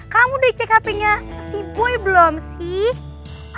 kamu udah cek hpnya si boy belum sih